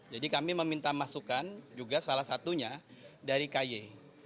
jadi kami meminta masukan juga salah satunya dari kaye